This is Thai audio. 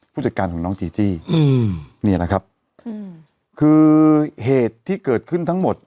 ผู้จัดการของน้องจีจี้อืมเนี่ยนะครับคือเหตุที่เกิดขึ้นทั้งหมด